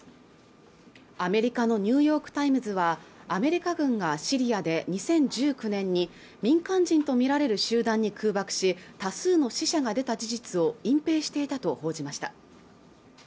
アメリカのニューヨーク・タイムズはアメリカ軍がシリアで２０１９年に民間人と見られる集団に空爆し多数の死者が出た事実を隠蔽していたと報じました